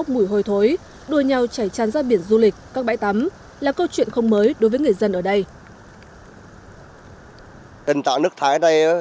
mùi hồi thối đua nhau chảy tràn ra biển du lịch các bãi tắm